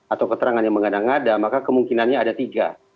atau keterangan yang mengada ngada maka kemungkinannya ada tiga